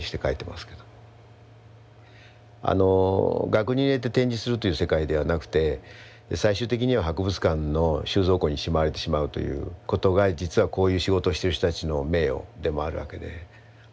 額に入れて展示するという世界ではなくて最終的には博物館の収蔵庫にしまわれてしまうということが実はこういう仕事をしてる人たちの名誉でもあるわけで。